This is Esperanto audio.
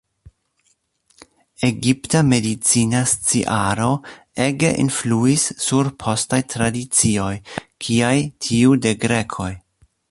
Egipta medicina sciaro ege influis sur postaj tradicioj, kiaj tiu de grekoj.